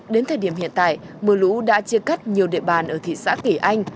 đến thời điểm hiện tại mưa lũ đã chia cắt nhiều địa bàn ở thị xã kỳ anh